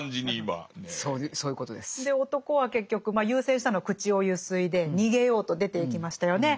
で男は結局優先したのは口をゆすいで逃げようと出ていきましたよね。